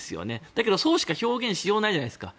だけど、そうしか表現しようがないじゃないですか。